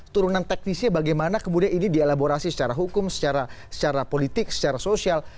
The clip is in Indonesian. turunan teknisnya bagaimana kemudian ini dielaborasi secara hukum secara politik secara sosial